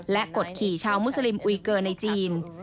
และกดขี่ชาวมุสลิมอุยเกอร์ในจีน